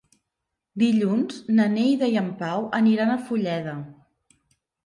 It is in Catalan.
Dilluns na Neida i en Pau aniran a Fulleda.